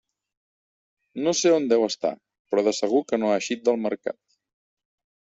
No sé on deu estar, però de segur que no ha eixit del Mercat.